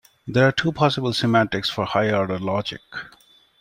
There are two possible semantics for higher order logic.